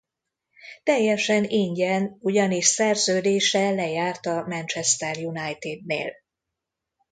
Teljesen ingyen ugyanis szerződése lejárt a Manchester Uniednél.